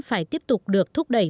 phải tiếp tục được thúc đẩy